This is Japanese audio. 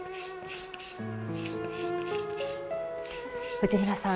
藤村さん